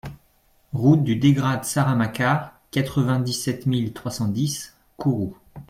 Route du Dégrad Saramaca, quatre-vingt-dix-sept mille trois cent dix Kourou